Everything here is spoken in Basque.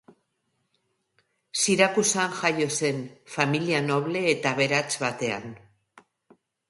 Sirakusan jaio zen, familia noble eta aberats batean.